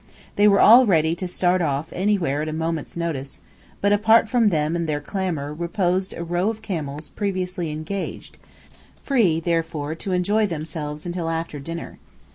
They were all ready to start off anywhere at a moment's notice; but apart from them and their clamour, reposed a row of camels previously engaged, free, therefore, to enjoy themselves until after dinner.